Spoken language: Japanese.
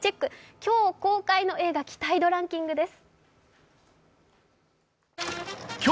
今日公開の映画期待度ランキングです。